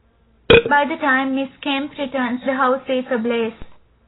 By the time Ms. Kemp returns, the house is ablaze.